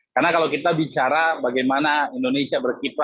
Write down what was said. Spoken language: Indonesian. karena kalau kita bicara bagaimana indonesia berkipas